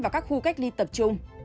các khu cách ly tập trung